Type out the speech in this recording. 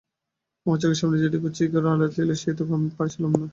আমার চোখের সামনে যেটুকু চিকের আড়াল ছিল সে আমি সইতে পারছিলুম না।